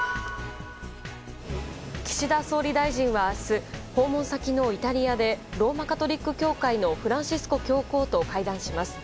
岸田総理大臣は明日訪問先のイタリアでローマ・カトリック教会のフランシスコ教皇と会談します。